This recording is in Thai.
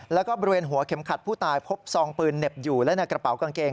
แล้วก็บริเวณหัวเข็มขัดผู้ตายพบซองปืนเหน็บอยู่และในกระเป๋ากางเกง